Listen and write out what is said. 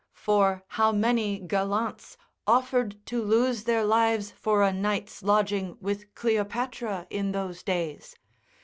For how many gallants offered to lose their lives for a night's lodging with Cleopatra in those days!